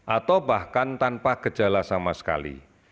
atau bahkan tanpa gejala sama sekali